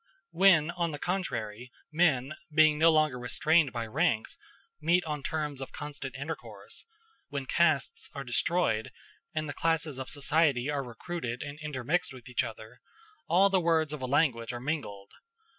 When, on the contrary, men, being no longer restrained by ranks, meet on terms of constant intercourse when castes are destroyed, and the classes of society are recruited and intermixed with each other, all the words of a language are mingled.